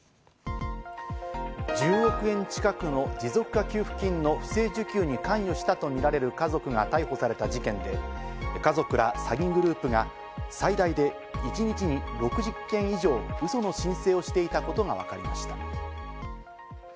１０億円近くの持続化給付金の不正受給に関与したとみられる家族が逮捕された事件で、家族ら詐欺グループが最大で一日に６０件以上ウソの申請をしていたことがわかりました。